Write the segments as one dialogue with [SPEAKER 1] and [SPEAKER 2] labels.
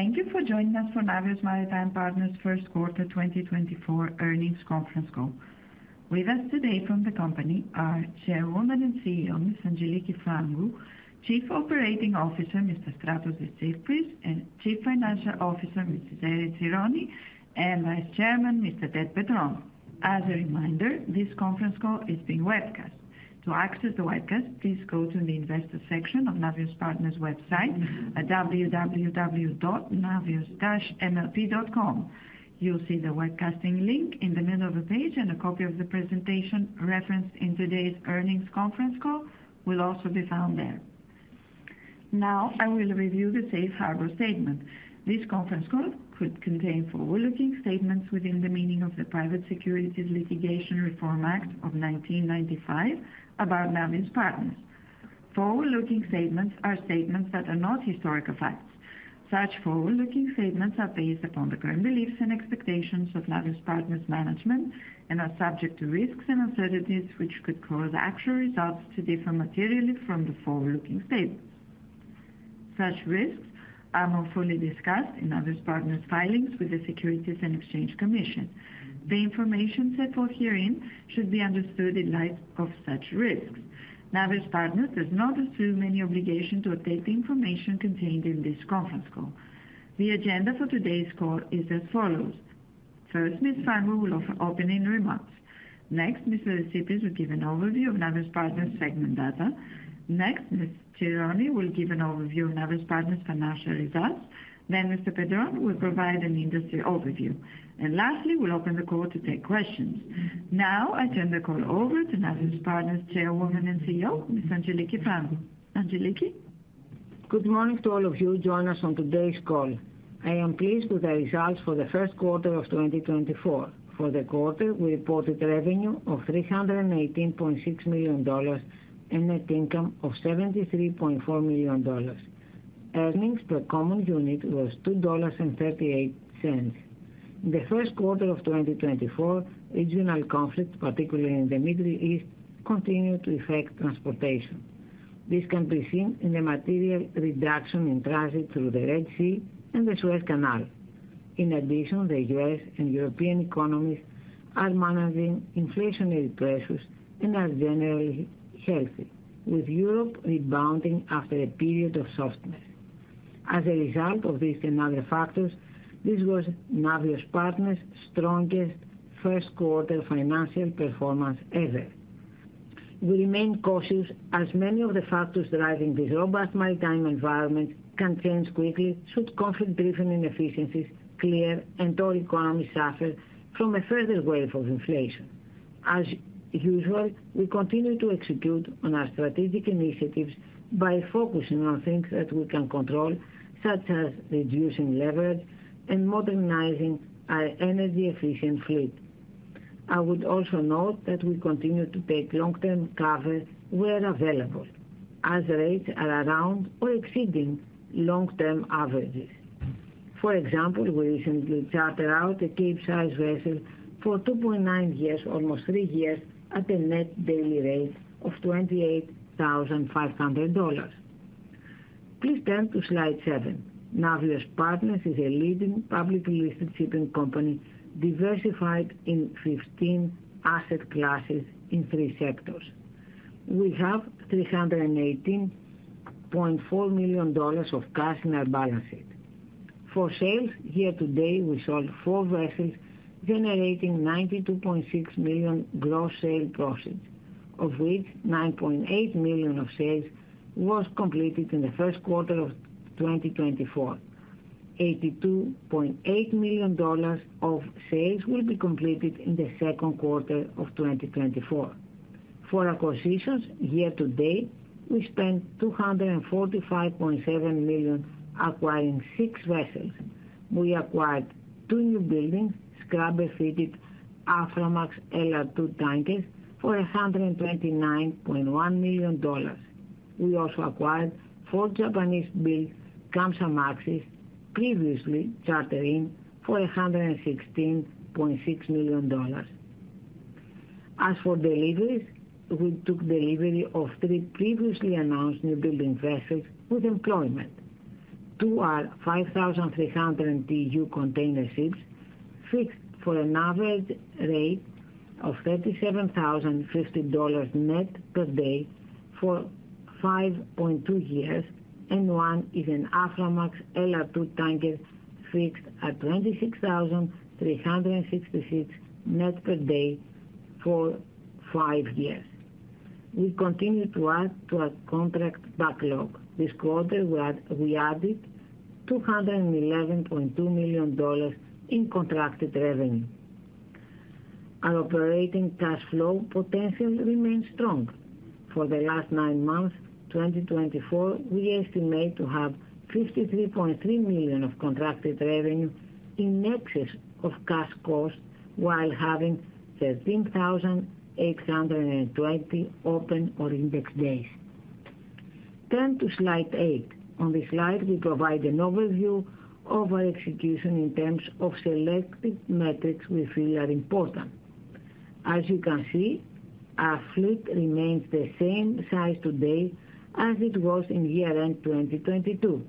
[SPEAKER 1] Thank you for joining us for Navios Maritime Partners' First Quarter 2024 Earnings Conference Call. With us today from the company are Chairwoman and CEO Ms. Angeliki Frangou, Chief Operating Officer Mr. Stratos Desypris, Chief Financial Officer Ms. Erifili Tsironi, and Vice Chairman Mr. Ted Petrone. As a reminder, this conference call is being webcast. To access the webcast, please go to the Investors section of Navios Partners' website at www.navios-mlp.com. You'll see the webcasting link in the middle of the page, and a copy of the presentation referenced in today's earnings conference call will also be found there. Now, I will review the Safe Harbor Statement. This conference call could contain forward-looking statements within the meaning of the Private Securities Litigation Reform Act of 1995 about Navios Partners. Forward-looking statements are statements that are not historical facts. Such forward-looking statements are based upon the current beliefs and expectations of Navios Partners' management and are subject to risks and uncertainties which could cause actual results to differ materially from the forward-looking statements. Such risks are more fully discussed in Navios Partners' filings with the Securities and Exchange Commission. The information set forth herein should be understood in light of such risks. Navios Partners does not assume any obligation to update the information contained in this conference call. The agenda for today's call is as follows. First, Ms. Frangou will offer opening remarks. Next, Mr. Desypris will give an overview of Navios Partners' segment data. Next, Ms. Tsironi will give an overview of Navios Partners' financial results. Then Mr. Petrone will provide an industry overview. And lastly, we'll open the call to take questions. Now, I turn the call over to Navios Partners' Chairwoman and CEO Ms. Angeliki Frangou. Angeliki?
[SPEAKER 2] Good morning to all of you joining us on today's call. I am pleased with the results for the first quarter of 2024. For the quarter, we reported revenue of $318.6 million and net income of $73.4 million. Earnings per common unit was $2.38. In the first quarter of 2024, regional conflicts, particularly in the Middle East, continued to affect transportation. This can be seen in the material reduction in transit through the Red Sea and the Suez Canal. In addition, the U.S. and European economies are managing inflationary pressures and are generally healthy, with Europe rebounding after a period of softness. As a result of this and other factors, this was Navios Partners' strongest first-quarter financial performance ever. We remain cautious as many of the factors driving this robust maritime environment can change quickly should conflict-driven inefficiencies clear and all economies suffer from a further wave of inflation. As usual, we continue to execute on our strategic initiatives by focusing on things that we can control, such as reducing leverage and modernizing our energy-efficient fleet. I would also note that we continue to take long-term cover where available, as rates are around or exceeding long-term averages. For example, we recently chartered out a Capesize vessel for 2.9 years, almost three years, at a net daily rate of $28,500. Please turn to slide 7. Navios Partners is a leading publicly listed shipping company diversified in 15 asset classes in three sectors. We have $318.4 million of cash in our balance sheet. For sales, year to date, we sold four vessels, generating $92.6 million gross sales profit, of which $9.8 million of sales was completed in the first quarter of 2024. $82.8 million of sales will be completed in the second quarter of 2024. For acquisitions, year to date, we spent $245.7 million acquiring six vessels. We acquired two new buildings, scrubber-fitted Aframax LR2 tankers for $129.1 million. We also acquired four Japanese-built Kamsarmax, previously chartered in, for $116.6 million. As for deliveries, we took delivery of three previously announced new building vessels with employment. Two are 5,300 TEU container ships, fixed for an average rate of $37,050 net per day for 5.2 years, and one is an Aframax LR2 tanker fixed at $26,366 net per day for five years. We continue to add to our contract backlog. This quarter, we added $211.2 million in contracted revenue. Our operating cash flow potential remains strong. For the last nine months of 2024, we estimate to have $53.3 million of contracted revenue in excess of cash cost while having 13,820 open or indexed days. Turn to slide eight. On this slide, we provide an overview of our execution in terms of selected metrics we feel are important. As you can see, our fleet remains the same size today as it was in year-end 2022,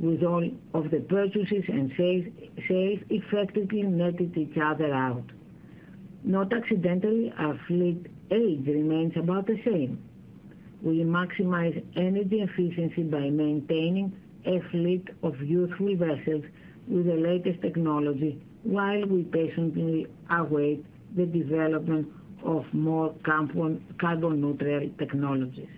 [SPEAKER 2] with all of the purchases and sales effectively netted each other out. Not accidentally, our fleet age remains about the same. We maximize energy efficiency by maintaining a fleet of useful vessels with the latest technology while we patiently await the development of more carbon-neutral technologies.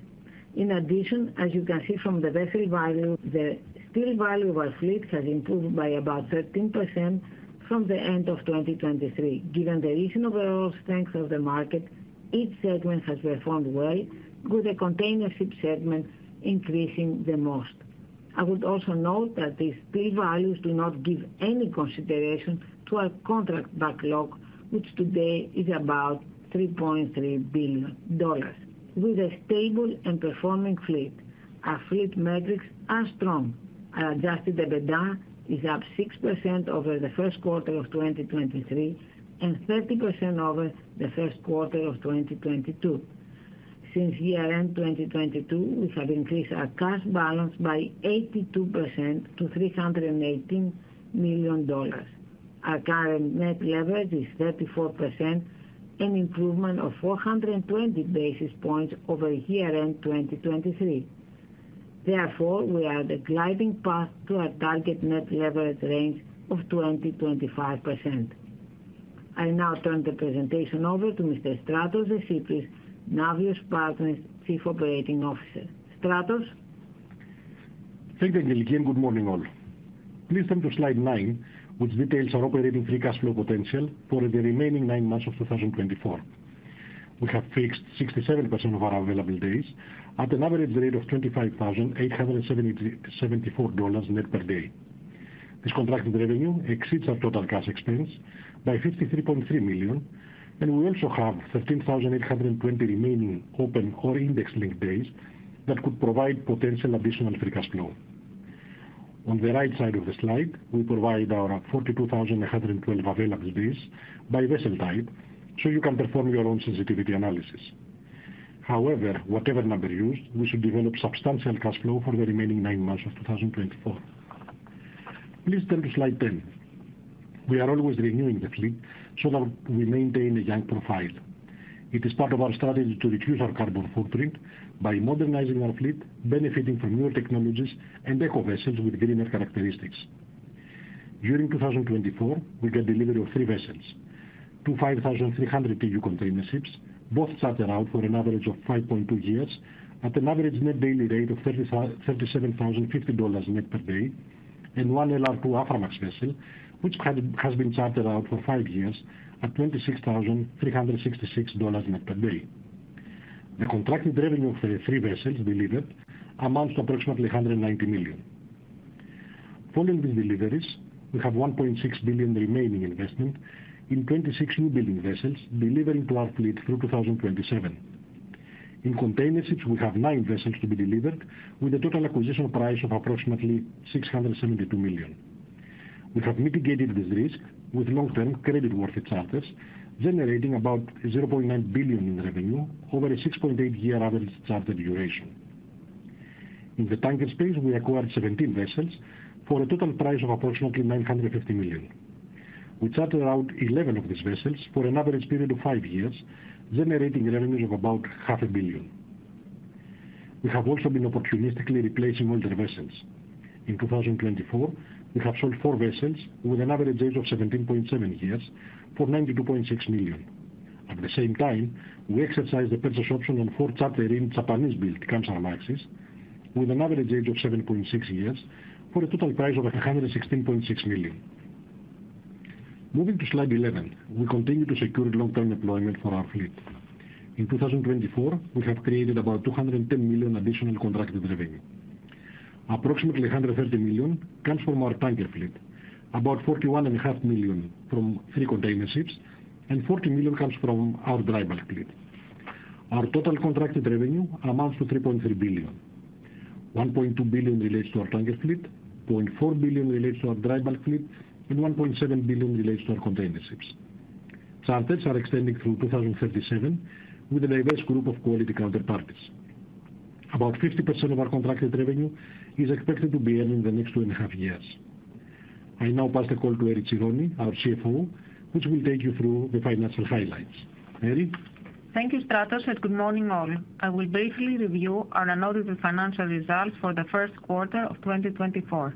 [SPEAKER 2] In addition, as you can see from the vessel value, the total value of our fleet has improved by about 13% from the end of 2023. Given the recent overall strength of the market, each segment has performed well, with the container ship segment increasing the most. I would also note that these steel values do not give any consideration to our contract backlog, which today is about $3.3 billion. With a stable and performing fleet, our fleet metrics are strong. Our Adjusted EBITDA is up 6% over the first quarter of 2023 and 30% over the first quarter of 2022. Since year-end 2022, we have increased our cash balance by 82% to $318 million. Our current net leverage is 34%, an improvement of 420 basis points over year-end 2023. Therefore, we are on the glide path to our target net leverage range of 20%-25%. I now turn the presentation over to Mr. Stratos Desypris, Navios Partners' Chief Operating Officer. Stratos?
[SPEAKER 3] Thank you, Angeliki, and good morning all. Please turn to slide nine, which details our operating free cash flow potential for the remaining nine months of 2024. We have fixed 67% of our available days at an average rate of $25,874 net per day. This contracted revenue exceeds our total cash expense by $53.3 million, and we also have 13,820 remaining open or indexed-linked days that could provide potential additional free cash flow. On the right side of the slide, we provide our 42,112 available days by vessel type, so you can perform your own sensitivity analysis. However, whatever number used, we should develop substantial cash flow for the remaining nine months of 2024. Please turn to slide 10. We are always renewing the fleet so that we maintain a young profile. It is part of our strategy to reduce our carbon footprint by modernizing our fleet, benefiting from newer technologies, and eco-vessels with greener characteristics. During 2024, we got delivery of three vessels: two 5,300 TEU container ships, both chartered out for an average of 5.2 years at an average net daily rate of $37,050 net per day, and one LR2 Aframax vessel, which has been chartered out for five years at $26,366 net per day. The contracted revenue of the three vessels delivered amounts to approximately $190 million. Following these deliveries, we have $1.6 billion remaining investment in 26 new building vessels delivering to our fleet through 2027. In container ships, we have nine vessels to be delivered, with a total acquisition price of approximately $672 million. We have mitigated this risk with long-term creditworthy charters, generating about $0.9 billion in revenue over a 6.8-year average charter duration. In the tanker space, we acquired 17 vessels for a total price of approximately $950 million. We chartered out 11 of these vessels for an average period of five years, generating revenues of about $500 million. We have also been opportunistically replacing older vessels. In 2024, we have sold four vessels with an average age of 17.7 years for $92.6 million. At the same time, we exercised the purchase option on four chartered-in Japanese-built Kamsarmax with an average age of 7.6 years for a total price of $116.6 million. Moving to slide 11, we continue to secure long-term employment for our fleet. In 2024, we have created about $210 million additional contracted revenue. Approximately $130 million comes from our tanker fleet, about $41.5 million from three container ships, and $40 million comes from our dry bulk fleet. Our total contracted revenue amounts to $3.3 billion. $1.2 billion relates to our tanker fleet, $0.4 billion relates to our dry bulk fleet, and $1.7 billion relates to our container ships. Charters are extending through 2037 with a diverse group of quality counterparties. About 50% of our contracted revenue is expected to be earned in the next two and a half years. I now pass the call to Erifili Tsironi, our CFO, which will take you through the financial highlights. Erifili?
[SPEAKER 4] Thank you, Stratos, and good morning all. I will briefly review our announced financial results for the first quarter of 2024.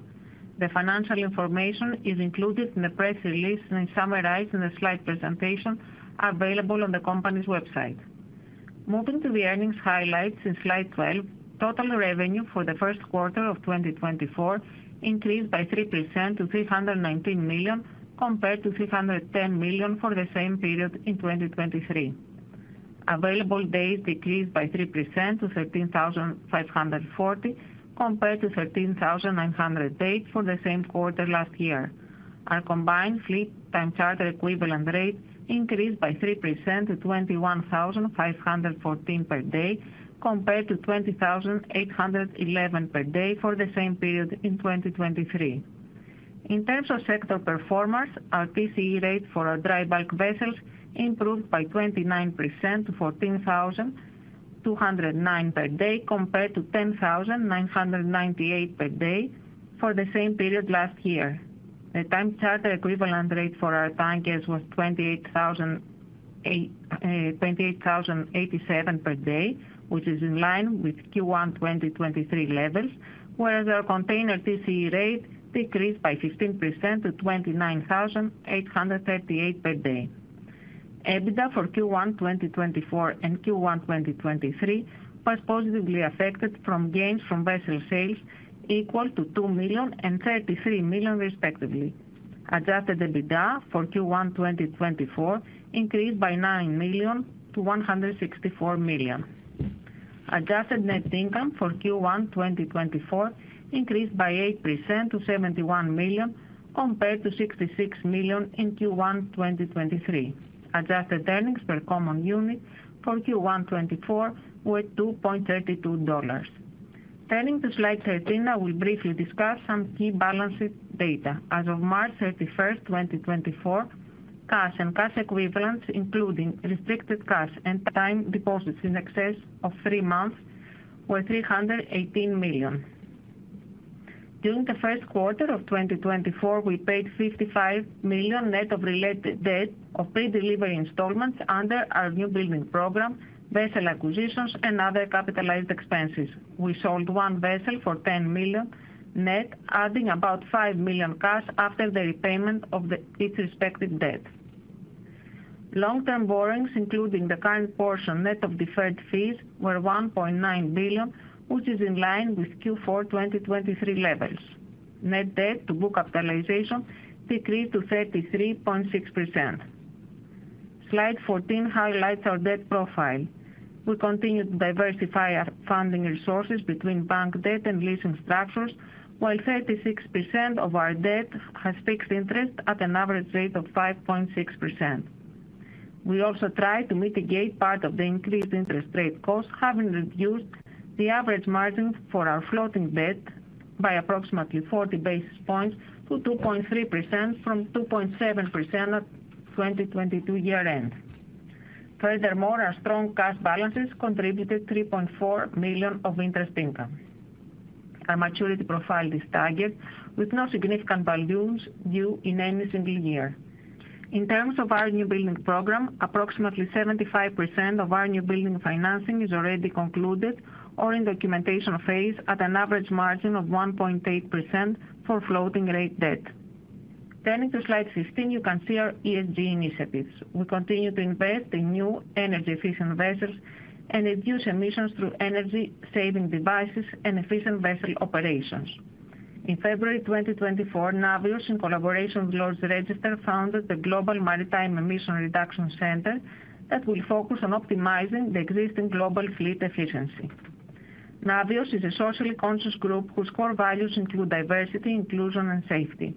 [SPEAKER 4] The financial information is included in the press release and summarized in the slide presentation available on the company's website. Moving to the earnings highlights in slide 12, total revenue for the first quarter of 2024 increased by 3% to $319 million compared to $310 million for the same period in 2023. Available days decreased by 3% to 13,540 compared to 13,908 for the same quarter last year. Our combined fleet-time charter equivalent rate increased by 3% to $21,514 per day compared to $20,811 per day for the same period in 2023. In terms of sector performance, our PCE rate for our dry bulk vessels improved by 29% to $14,209 per day compared to $10,998 per day for the same period last year. The time charter equivalent rate for our tankers was $28,087 per day, which is in line with Q1 2023 levels, whereas our container PCE rate decreased by 15% to $29,838 per day. EBITDA for Q1 2024 and Q1 2023 was positively affected from gains from vessel sales equal to $2 million and $33 million, respectively. Adjusted EBITDA for Q1 2024 increased by $9-$164 million. Adjusted net income for Q1 2024 increased by 8% to $71 million compared to $66 million in Q1 2023. Adjusted earnings per common unit for Q1 2024 were $2.32. Turning to slide 13, I will briefly discuss some key balance sheet data. As of March 31st, 2024, cash and cash equivalents, including restricted cash and time deposits in excess of three months, were $318 million. During the first quarter of 2024, we paid $55 million net of related debt of pre-delivery installments under our new building program, vessel acquisitions, and other capitalized expenses. We sold one vessel for $10 million net, adding about $5 million cash after the repayment of each respective debt. Long-term borrowings, including the current portion net of deferred fees, were $1.9 billion, which is in line with Q4 2023 levels. Net debt to book capitalization decreased to 33.6%. Slide 14 highlights our debt profile. We continue to diversify our funding resources between bank debt and leasing structures, while 36% of our debt has fixed interest at an average rate of 5.6%. We also tried to mitigate part of the increased interest rate costs, having reduced the average margin for our floating debt by approximately 40 basis points to 2.3% from 2.7% at 2022 year-end. Furthermore, our strong cash balances contributed $3.4 million of interest income. Our maturity profile is targeted, with no significant volumes due in any single year. In terms of our new building program, approximately 75% of our new building financing is already concluded or in documentation phase at an average margin of 1.8% for floating-rate debt. Turning to slide 15, you can see our ESG initiatives. We continue to invest in new energy-efficient vessels and reduce emissions through energy-saving devices and efficient vessel operations. In February 2024, Navios, in collaboration with Lloyd's Register, founded the Global Maritime Emissions Reduction Center that will focus on optimizing the existing global fleet efficiency. Navios is a socially conscious group whose core values include diversity, inclusion, and safety.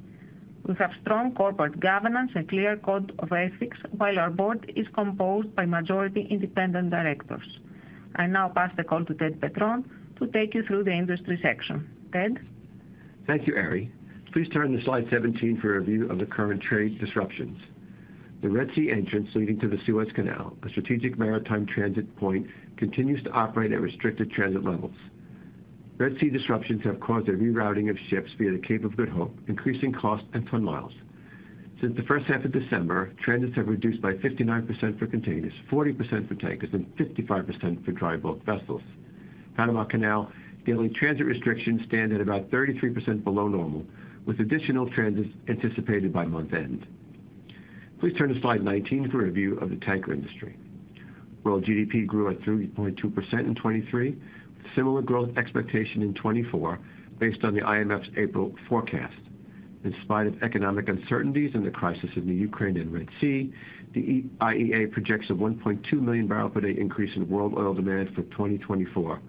[SPEAKER 4] We have strong corporate governance and a clear code of ethics, while our board is composed by majority independent directors. I now pass the call to Ted Petrone to take you through the industry section. Ted?
[SPEAKER 5] Thank you, Erifili. Please turn to slide 17 for a view of the current trade disruptions. The Red Sea entrance leading to the Suez Canal, a strategic maritime transit point, continues to operate at restricted transit levels. Red Sea disruptions have caused a rerouting of ships via the Cape of Good Hope, increasing costs and ton miles. Since the first half of December, transits have reduced by 59% for containers, 40% for tankers, and 55% for dry bulk vessels. Panama Canal daily transit restrictions stand at about 33% below normal, with additional transits anticipated by month-end. Please turn to slide 19 for a view of the tanker industry. World GDP grew at 3.2% in 2023, with similar growth expectation in 2024 based on the IMF's April forecast. In spite of economic uncertainties and the crisis in the Ukraine and Red Sea, the IEA projects a 1.2 million barrels per day increase in world oil demand for 2024.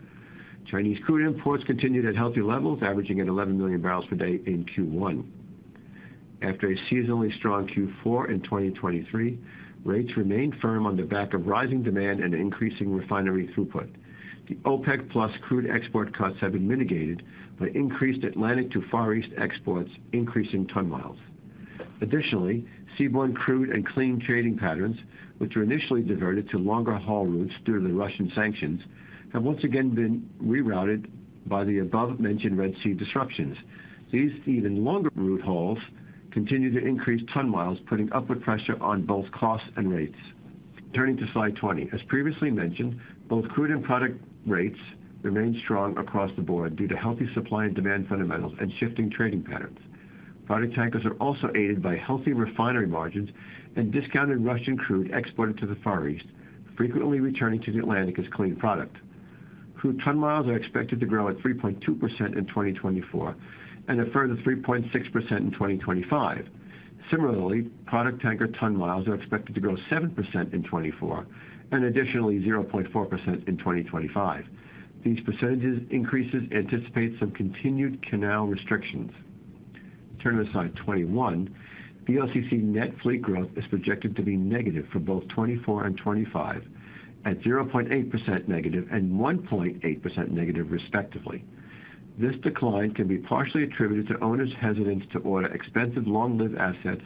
[SPEAKER 5] Chinese crude imports continued at healthy levels, averaging at 11 million barrels per day in Q1. After a seasonally strong Q4 in 2023, rates remained firm on the back of rising demand and increasing refinery throughput. The OPEC+ crude export cuts have been mitigated by increased Atlantic to Far East exports, increasing ton miles. Additionally, seaborne crude and clean trading patterns, which were initially diverted to longer haul routes due to the Russian sanctions, have once again been rerouted by the above-mentioned Red Sea disruptions. These even longer route hauls continue to increase ton miles, putting upward pressure on both costs and rates. Turning to slide 20. As previously mentioned, both crude and product rates remain strong across the board due to healthy supply and demand fundamentals and shifting trading patterns. Product tankers are also aided by healthy refinery margins and discounted Russian crude exported to the Far East, frequently returning to the Atlantic as clean product. Crude ton miles are expected to grow at 3.2% in 2024 and a further 3.6% in 2025. Similarly, product tanker ton miles are expected to grow 7% in 2024 and additionally 0.4% in 2025. These percentage increases anticipate some continued canal restrictions. Turning to slide 21. The LCC net fleet growth is projected to be negative for both 2024 and 2025, at -0.8% and -1.8%, respectively. This decline can be partially attributed to owners' hesitance to order expensive, long-lived assets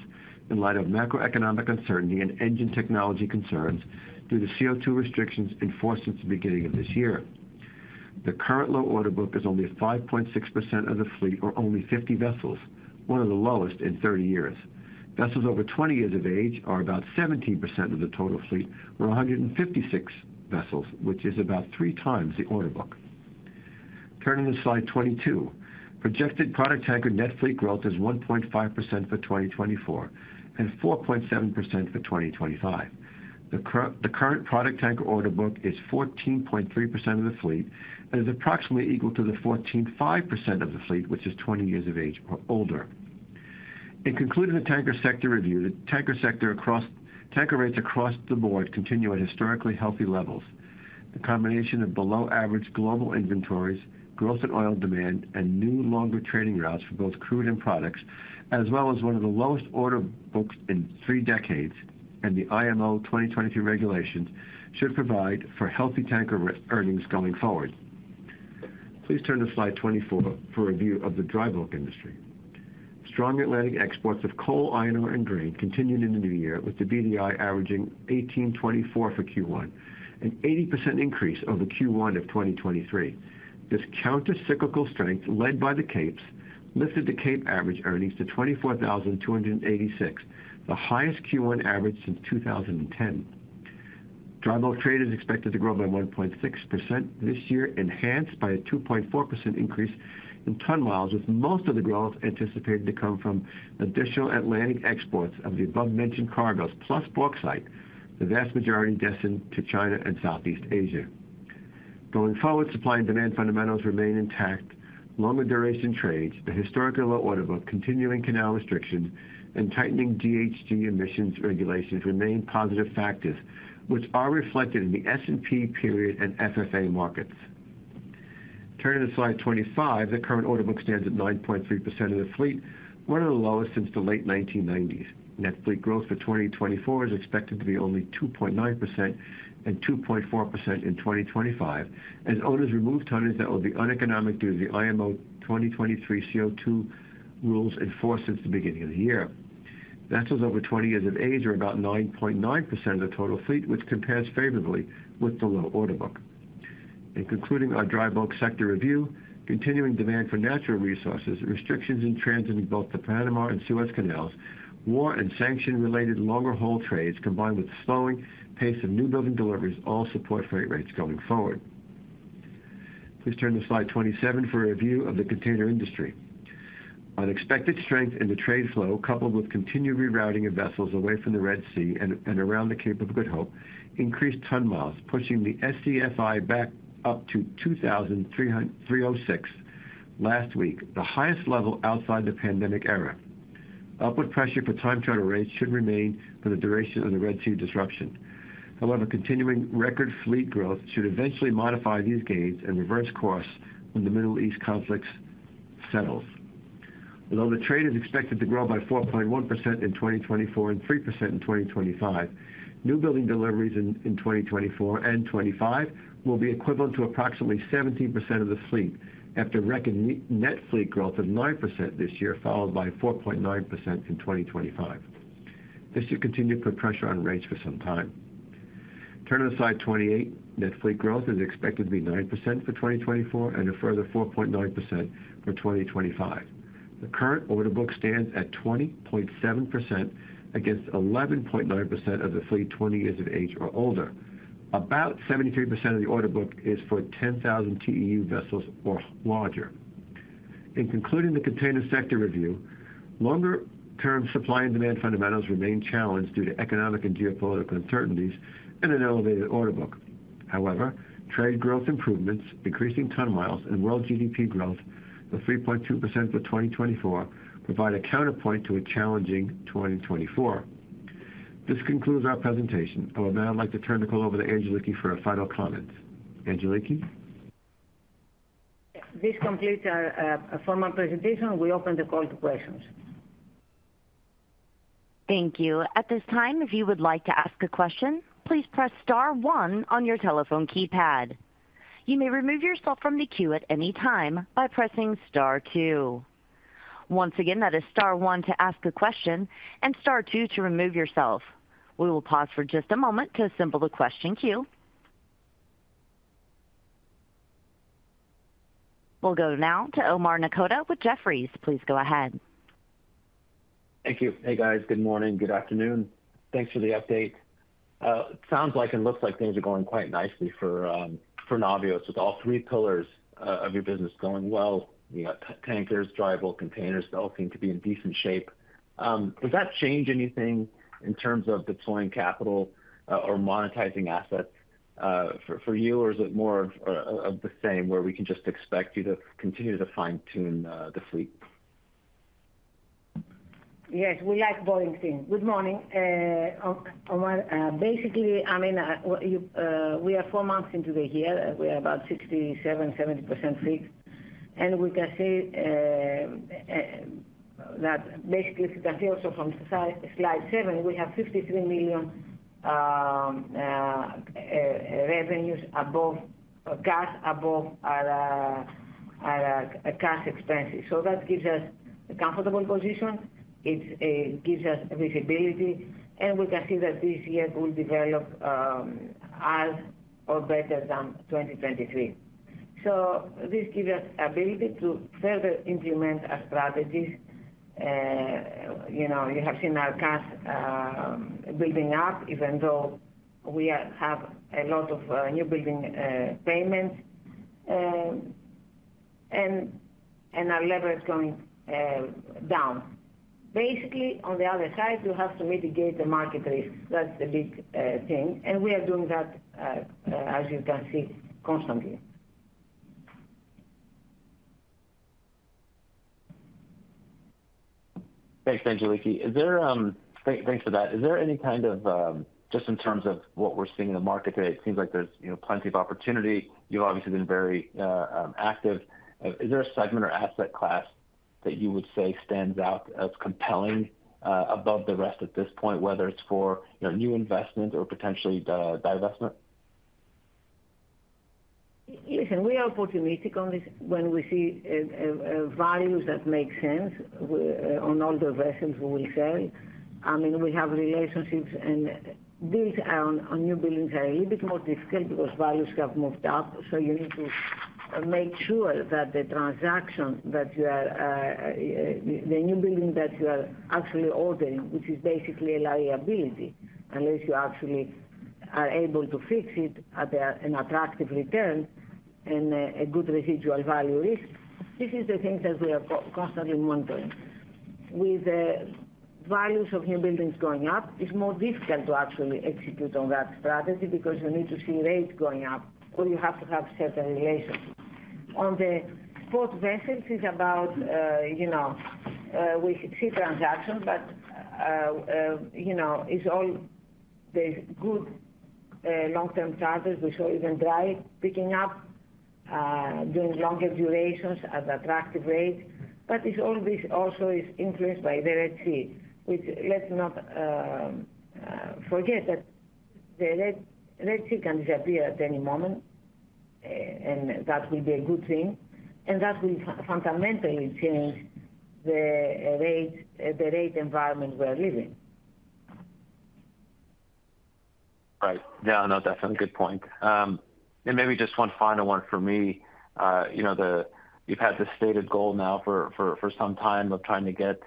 [SPEAKER 5] in light of macroeconomic uncertainty and engine technology concerns due to CO2 restrictions enforced since the beginning of this year. The current low order book is only 5.6% of the fleet or only 50 vessels, one of the lowest in 30 years. Vessels over 20 years of age are about 17% of the total fleet, or 156 vessels, which is about three times the order book. Turning to slide 22. Projected product tanker net fleet growth is 1.5% for 2024 and 4.7% for 2025. The current product tanker order book is 14.3% of the fleet and is approximately equal to the 14.5% of the fleet, which is 20 years of age or older. In concluding the tanker sector review, the tanker rates across the board continue at historically healthy levels. The combination of below-average global inventories, growth in oil demand, and new longer trading routes for both crude and products, as well as one of the lowest order books in three decades and the IMO 2023 regulations, should provide for healthy tanker earnings going forward. Please turn to slide 24 for a view of the dry bulk industry. Strong Atlantic exports of coal, iron ore and grain continued in the new year, with the BDI averaging $18.24 for Q1, an 80% increase over Q1 of 2023. This countercyclical strength, led by the Capes, lifted the Cape average earnings to $24,286, the highest Q1 average since 2010. Dry bulk trade is expected to grow by 1.6% this year, enhanced by a 2.4% increase in ton miles, with most of the growth anticipated to come from additional Atlantic exports of the above-mentioned cargoes plus bauxite, the vast majority destined to China and Southeast Asia. Going forward, supply and demand fundamentals remain intact. Longer-duration trades, the historically low order book, continuing canal restrictions, and tightening GHG emissions regulations remain positive factors, which are reflected in the S&P period and FFA markets. Turning to slide 25. The current order book stands at 9.3% of the fleet, one of the lowest since the late 1990s. Net fleet growth for 2024 is expected to be only 2.9% and 2.4% in 2025, as owners remove tons that will be uneconomic due to the IMO 2023 CO2 rules enforced since the beginning of the year. Vessels over 20 years of age are about 9.9% of the total fleet, which compares favorably with the low order book. In concluding our dry bulk sector review, continuing demand for natural resources, restrictions in transiting both the Panama Canal and Suez Canal, war and sanction-related longer haul trades, combined with the slowing pace of new building deliveries, all support freight rates going forward. Please turn to slide 27 for a view of the container industry. Unexpected strength in the trade flow, coupled with continued rerouting of vessels away from the Red Sea and around the Cape of Good Hope, increased ton miles, pushing the SCFI back up to $2,306 last week, the highest level outside the pandemic era. Upward pressure for time charter rates should remain for the duration of the Red Sea disruption. However, continuing record fleet growth should eventually modify these gains and reverse course when the Middle East conflict settles. Although the trade is expected to grow by 4.1% in 2024 and 3% in 2025, new building deliveries in 2024 and 2025 will be equivalent to approximately 17% of the fleet after net fleet growth of 9% this year, followed by 4.9% in 2025. This should continue to put pressure on rates for some time. Turning to slide 28. Net fleet growth is expected to be 9% for 2024 and a further 4.9% for 2025. The current order book stands at 20.7% against 11.9% of the fleet 20 years of age or older. About 73% of the order book is for 10,000 TEU vessels or larger. In concluding the container sector review, longer-term supply and demand fundamentals remain challenged due to economic and geopolitical uncertainties and an elevated order book. However, trade growth improvements, increasing ton miles, and world GDP growth, the 3.2% for 2024, provide a counterpoint to a challenging 2024. This concludes our presentation. I would now like to turn the call over to Angeliki for her final comments. Angeliki?
[SPEAKER 2] This completes our formal presentation. We open the call to questions.
[SPEAKER 1] Thank you. At this time, if you would like to ask a question, please press star one on your telephone keypad. You may remove yourself from the queue at any time by pressing star two. Once again, that is star one to ask a question and star two to remove yourself. We will pause for just a moment to assemble the question queue. We'll go now to Omar Nokta with Jefferies. Please go ahead.
[SPEAKER 6] Thank you. Hey, guys. Good morning. Good afternoon. Thanks for the update. It sounds like and looks like things are going quite nicely for Navios, with all three pillars of your business going well. You got tankers, dry bulk containers. They all seem to be in decent shape. Does that change anything in terms of deploying capital or monetizing assets for you, or is it more of the same, where we can just expect you to continue to fine-tune the fleet?
[SPEAKER 2] Yes. We like boring things. Good morning, Omar. Basically, I mean, we are four months into the year. We are about 67%-70% fixed. And we can see that basically, if you can see also from slide seven, we have $53 million revenues above or cash above our cash expenses. So that gives us a comfortable position. It gives us visibility. And we can see that this year will develop as or better than 2023. So this gives us ability to further implement our strategies. You have seen our cash building up, even though we have a lot of new building payments and our leverage going down. Basically, on the other side, you have to mitigate the market risk. That's the big thing. And we are doing that, as you can see, constantly.
[SPEAKER 6] Thanks, Angeliki. Thanks for that. Is there any kind of just in terms of what we're seeing in the market today? It seems like there's plenty of opportunity. You've obviously been very active. Is there a segment or asset class that you would say stands out as compelling above the rest at this point, whether it's for new investment or potentially divestment?
[SPEAKER 2] Listen, we are opportunistic on this. When we see values that make sense on older vessels, we will sell. I mean, we have relationships, and deals on new buildings are a little bit more difficult because values have moved up. So you need to make sure that the transaction that you are the new building that you are actually ordering, which is basically a liability, unless you actually are able to fix it at an attractive return and a good residual value risk. This is the thing that we are constantly monitoring. With values of new buildings going up, it's more difficult to actually execute on that strategy because you need to see rates going up, or you have to have certain relationships. On the spot vessels, it's about we see transactions, but it's all the good long-term charters. We saw even dry picking up, doing longer durations at attractive rates. But all this also is influenced by the Red Sea, which, let's not forget, that the Red Sea can disappear at any moment, and that will be a good thing. And that will fundamentally change the rate environment we're living.
[SPEAKER 6] Right. No, no. Definitely a good point. And maybe just one final one for me. You've had this stated goal now for some time of trying to get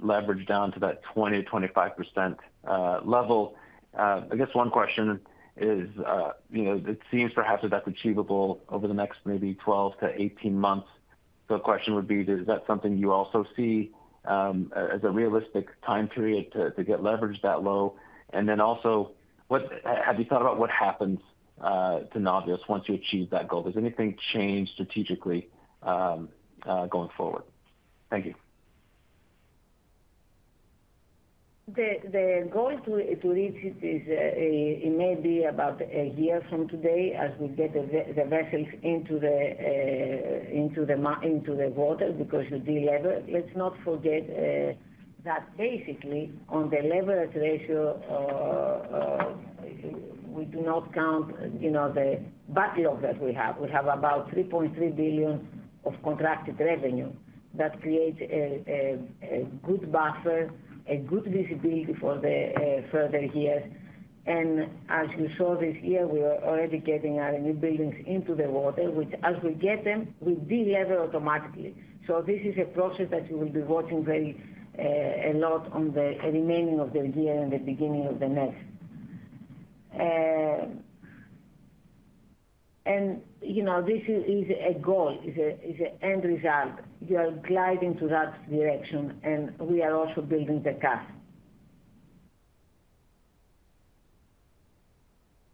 [SPEAKER 6] leverage down to that 20%-25% level. I guess one question is, it seems perhaps that that's achievable over the next maybe 12-18 months. So a question would be, is that something you also see as a realistic time period to get leverage that low? And then also, have you thought about what happens to Navios once you achieve that goal? Does anything change strategically going forward? Thank you.
[SPEAKER 2] The goal to reach it is it may be about a year from today as we get the vessels into the water because you deliver. Let's not forget that basically, on the leverage ratio, we do not count the backlog that we have. We have about $3.3 billion of contracted revenue that creates a good buffer, a good visibility for the further years. And as you saw this year, we are already getting our new buildings into the water, which as we get them, we deliver automatically. So this is a process that you will be watching a lot on the remaining of the year and the beginning of the next. And this is a goal. It's an end result. You are gliding to that direction, and we are also building the cash.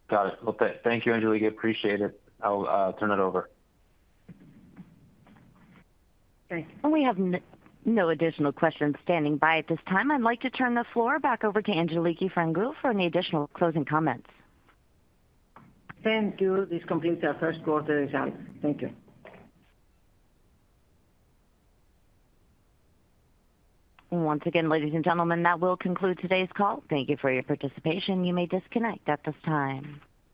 [SPEAKER 6] Got it. Well, thank you, Angeliki. Appreciate it. I'll turn it over.
[SPEAKER 2] Thank you.
[SPEAKER 1] We have no additional questions standing by at this time. I'd like to turn the floor back over to Angeliki Frangou for any additional closing comments.
[SPEAKER 2] Thank you. This completes our first quarter result. Thank you.
[SPEAKER 1] Once again, ladies and gentlemen, that will conclude today's call. Thank you for your participation. You may disconnect at this time.